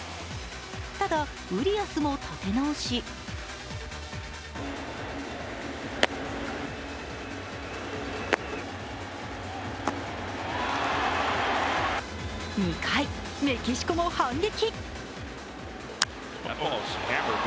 ただ、ウリアスも立て直し２回、メキシコも反撃。